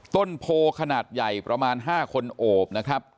ต้นโพขนาดใหญ่ประมาณ๕คนโอบนะครับ